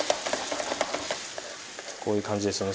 こういう感じですね。